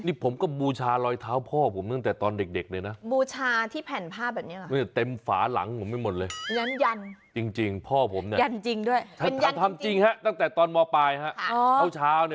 นี่ผมก็บูชารอยเท้าพ่อผมตั้งแต่ตอนเด็กเลยนะ